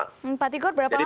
hmm pak tigur berapa lama lalu